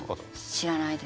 知らないです。